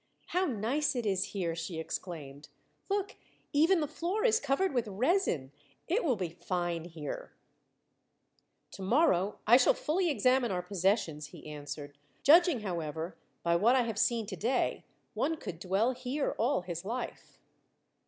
"How nice it is here!" she exclaimed. "Look, even the floor is covered with resin. It will be fine here." "To morrow I shall fully examine our possessions," he answered; "judging, however, by what I have seen to day, one could dwell here all his life."